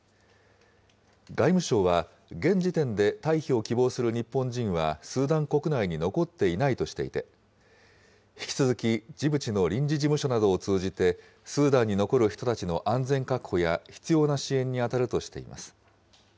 外務省は、現時点で退避を希望する日本人はスーダン国内に残っていないとしていて、引き続きジブチの臨時事務所などを通じて、スーダンに残る人たちの安全確保や必要な支援に当たるとしています。